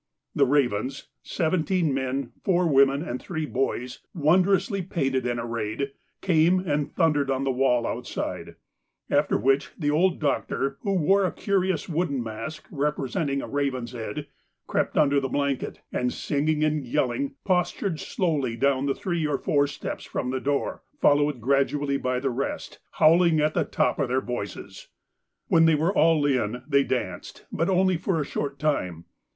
The 'Ravens,' seventeen men, four women, and three boys, wondrously painted and arrayed, came and thundered on the wall outside, after which the old doctor, who wore a curious wooden mask representing a raven's head, crept under the blanket, and singing and yelling postured slowly down the three or four steps from the door, followed gradually by the rest, howling at the top of their voices. When they were all in they danced, but only for a short time.